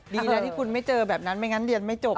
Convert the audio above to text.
ดีแล้วที่คุณไม่เจอแบบนั้นไม่งั้นเรียนไม่จบ